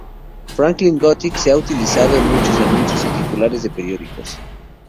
Franklin Gothic se ha utilizado en muchos anuncios y titulares en los periódicos.